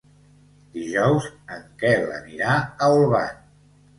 Dijous en Quel anirà a Olvan.